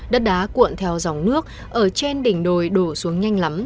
đất đá cuộn theo dòng nước ở trên đỉnh đồi đổ xuống nhanh lắm